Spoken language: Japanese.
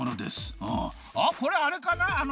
あっこれあれかな？